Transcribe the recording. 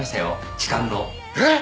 痴漢の。えっ！？